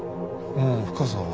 うん深さは？